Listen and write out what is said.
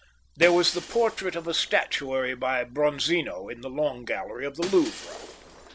There was the portrait of a statuary by Bronzino in the Long Gallery of the Louvre.